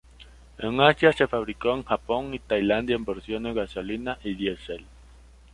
En Asia se fabricó en Japón y Tailandia en versiones Gasolina y Diesel.